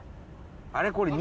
あれこれ